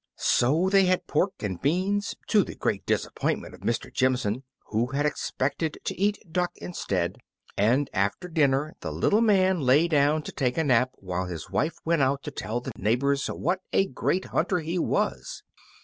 So they had pork and beans, to the great disappointment of Mr. Jimson, who had expected to eat duck instead; and after dinner the little man lay down to take a nap while his wife went out to tell the neighbors what a great hunter he was.